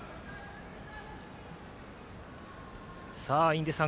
印出さん